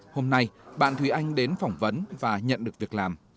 hôm nay bạn thùy anh đến phỏng vấn và nhận được việc làm